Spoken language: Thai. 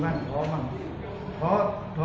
ต้องกลับบ้านบ่อยขึ้นนะครับ